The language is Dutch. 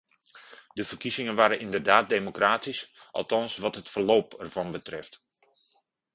De verkiezingen waren inderdaad democratisch, althans wat het verloop ervan betreft.